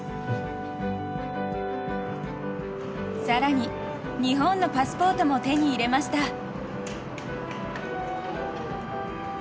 更に、日本のパスポートも手に入れました。